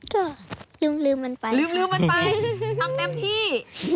ก็ลืมมันไปลืมมันไปทำเต็มที่